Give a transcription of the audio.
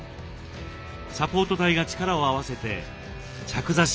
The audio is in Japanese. サポート隊が力を合わせて着座式